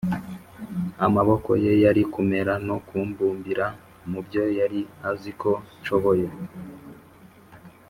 amaboko ye yari kumera no kumbumbira mubyo yari azi ko nshobora.